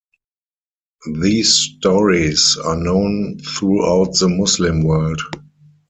These stories are known throughout the Muslim world.